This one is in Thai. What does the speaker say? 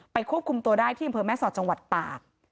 ไปควบคุมตัวได้ที่บริเวณแม่ศอดจังหวัดตาก